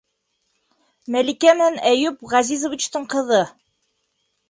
Мәликә менән Әйүп Ғәзизовичтың ҡыҙы...